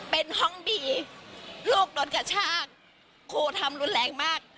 เป็นห้องบีลูกโดนกระชากครูทำรุนแรงมาก